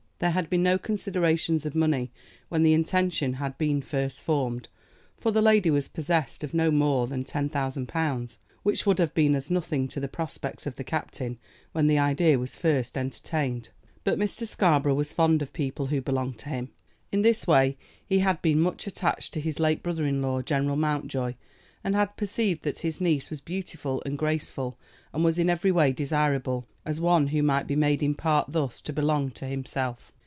There had been no considerations of money when the intention had been first formed, for the lady was possessed of no more than ten thousand pounds, which would have been as nothing to the prospects of the captain when the idea was first entertained. But Mr. Scarborough was fond of people who belonged to him. In this way he had been much attached to his late brother in law, General Mountjoy, and had perceived that his niece was beautiful and graceful, and was in every way desirable, as one who might be made in part thus to belong to himself.